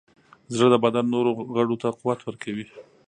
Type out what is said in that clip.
زړه د بدن نورو غړو ته قوت ورکوي.